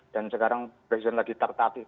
dan sekarang presiden lagi tertatis